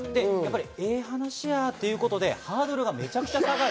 ええ話やということでハードルがめちゃくちゃ高い。